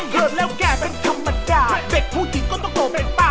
เกิดแล้วแก่เป็นธรรมดาเด็กผู้หญิงก็ต้องโตเป็นป้า